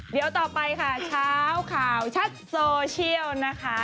เดี๋ยวต่อไปค่ะเช้าข่าวชัดโซเชียลนะคะ